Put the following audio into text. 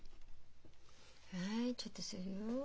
ちょっとするよ。